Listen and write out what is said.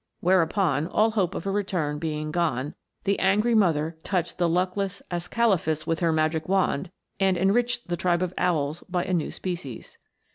Where upon, all hope of a return being gone, the angry mother touched the luckless Ascalaphus with her magic wand, and enriched the tribe of owls by a 284 PLUTO'S KINGDOM. new species.